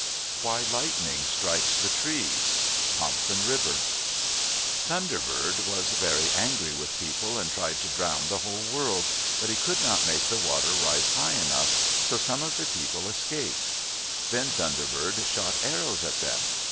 WHY LIGHTNING STRIKES THE TREES Thompson River Thunder Bird was angry with people and tried to drown the whole world, but he could not make the water rise high enough, so some of the people escaped. Then Thunder Bird shot arrows at them.